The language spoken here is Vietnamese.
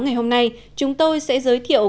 ngày hôm nay chúng tôi sẽ giới thiệu